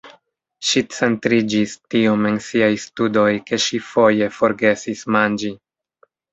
Ŝi centriĝis tiom en siaj studoj ke ŝi foje forgesis manĝi.